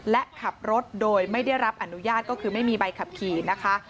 และขับรถโดยไม่ได้รับอนุญาตก็คือไม่มีใบขับขี่นะคะ